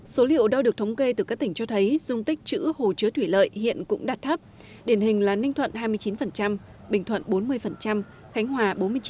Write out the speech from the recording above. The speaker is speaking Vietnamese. số liệu đo được thống kê từ các tỉnh cho thấy dung tích chữ hồ chứa thủy lợi hiện cũng đạt thấp điển hình là ninh thuận hai mươi chín bình thuận bốn mươi khánh hòa bốn mươi chín